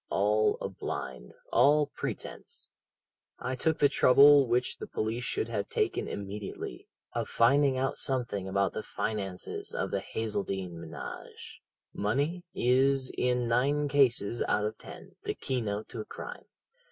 all a blind, all pretence. I took the trouble which the police should have taken immediately, of finding out something about the finances of the Hazeldene ménage. Money is in nine cases out of ten the keynote to a crime.